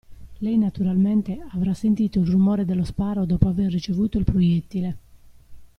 Lei, naturalmente, avrà sentito il rumore dello sparo dopo aver ricevuto il proiettile.